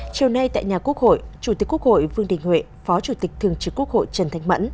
chiều nay tại nhà quốc hội chủ tịch quốc hội vương đình huệ phó chủ tịch thường trực quốc hội trần thanh mẫn